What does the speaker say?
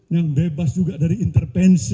yang bebas juga dari intervensi